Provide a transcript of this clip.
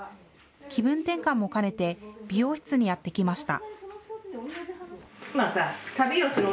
気分転換も兼ねて、美容室にやって来ました。